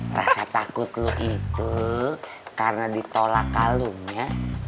rasa takut lu itu karena ditolak kalungnya